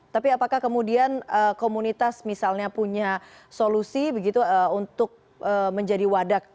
tapi apakah kemudian komunitas misalnya punya solusi begitu untuk menjadi wadah